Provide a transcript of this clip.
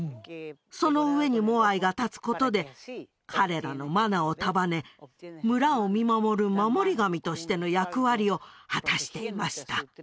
その上にモアイが立つことで彼らのマナを束ね村を見守る守り神としての役割を果たしていました